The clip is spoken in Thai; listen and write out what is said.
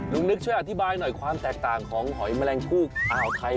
นึกช่วยอธิบายหน่อยความแตกต่างของหอยแมลงชูอ่าวไทย